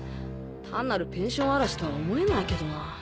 単なるペンション荒らしとは思えないけどな。